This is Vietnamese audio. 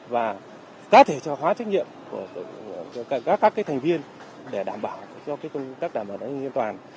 và cá thể trò hóa trách nhiệm của các thành viên để đảm bảo cho công tác đảm bảo an ninh an toàn